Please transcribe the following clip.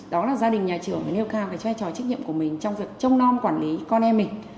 đó là gia đình nhà trường phải nêu cao cái vai trò trách nhiệm của mình trong việc trông non quản lý con em mình